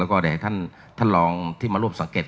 แล้วก็ได้ให้ท่านท่านรองที่มาร่วมสังเกต